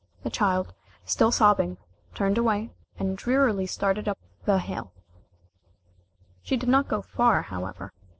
The child, still sobbing, turned away, and drearily started up the hill. She did not go far, however.